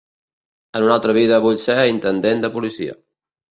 En una altra vida vull ser intendent de policia.